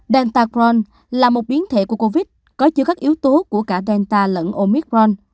delta cron là một biến thể của covid có chứa các yếu tố của cả delta lẫn omicron